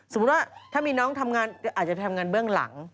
สมมุติว่าถ้ามีน้องทำงานอาจจะไปทำงานเบื้องหลัง